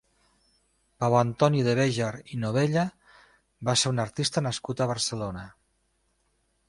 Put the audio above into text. Pau Antoni de Bejar i Novella va ser un artista nascut a Barcelona.